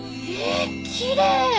えっきれい！